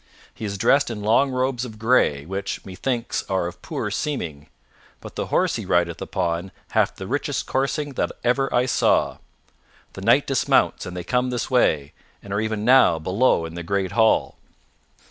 He is dressed in long robes of gray which, methinks, are of poor seeming; but the horse he rideth upon hath the richest coursing that ever I saw. The Knight dismounts and they come this way, and are even now below in the great hall."